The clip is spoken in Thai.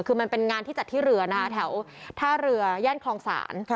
คือมันเป็นงานที่จัดที่เรือนะคะแถวท่าเรือย่านคลองศาล